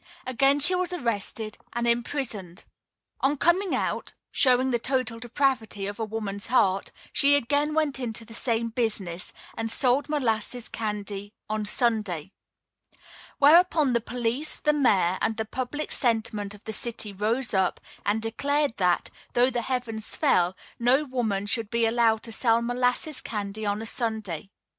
Again she was arrested, condemned, and imprisoned. On coming out showing the total depravity of a woman's heart she again went into the same business, and sold molasses candy on Sunday. Whereupon the police, the mayor and the public sentiment of the city rose up and declared that, though the heavens fell, no woman should be allowed to sell molasses candy on Sunday.